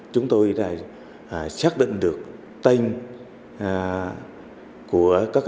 chúng tôi đã điều khiển vào vùng tập d suggest tầng ngành của đà nẵng